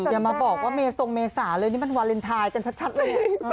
อย่ามาบอกว่าเมทรงเมษาเลยนี่มันวาเลนไทยกันชัดเลย